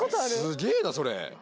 ・すげぇなそれ。